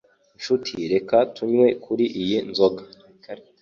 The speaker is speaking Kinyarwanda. Nshuti reka tunywe kuri iyi nzoga